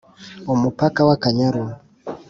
Umupaka wa Akanyaru